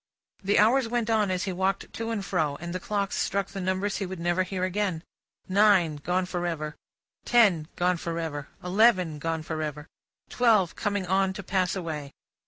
The hours went on as he walked to and fro, and the clocks struck the numbers he would never hear again. Nine gone for ever, ten gone for ever, eleven gone for ever, twelve coming on to pass away.